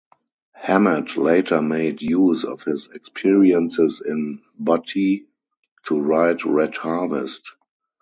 Hammett later made use of his experiences in Butte to write Red Harvest.